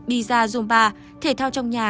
biza zumba thể thao trong nhà